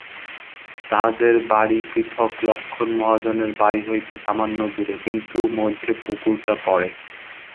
তাহদের বাড়ি পৃথক-লক্ষ্মণ মহাজনের বাড়ি হইতে সামান্য দূরে, কিন্তু মধ্যে পুকুরটা পড়ে।